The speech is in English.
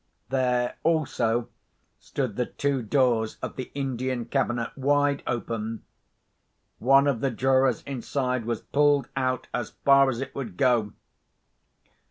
There also stood the two doors of the Indian cabinet, wide open. One, of the drawers inside was pulled out as far as it would go.